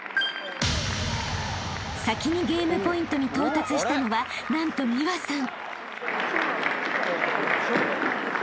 ［先にゲームポイントに到達したのはなんと美和さん］